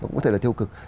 nó cũng có thể là tiêu cực